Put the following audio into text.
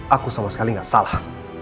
aku sama sekali nggak salah